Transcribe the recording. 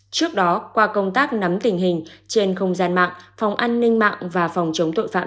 trước đó qua công tác nắm tình hình trên không gian mạng phòng an ninh mạng và phòng chống tội phạm